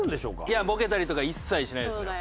いやボケたりとか一切しないですよ。